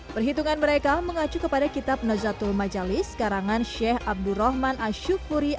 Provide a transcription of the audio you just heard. perhitungan mereka mengacu kepada kitab nazatul majalis karangan sheikh abdurrahman asyukhuri